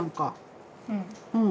うん。